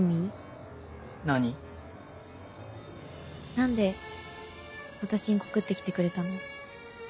何で私に告ってきてくれたの？